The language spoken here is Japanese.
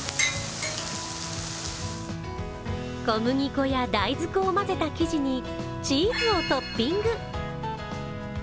小麦粉や大豆粉をまぜた生地にチーズをトッピング。